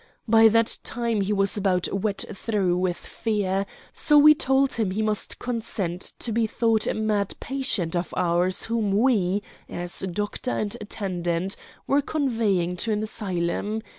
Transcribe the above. By that time he was about wet through with fear, so we told him he must consent to be thought a mad patient of ours whom we, as doctor and attendant, were conveying to an asylum.